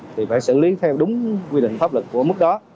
thì phải xử lý theo đúng quy định pháp lực của mức đó